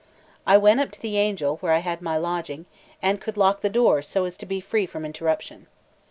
I went up to the Angel, where I had my lodging, and could lock the door so as to be free from interruption.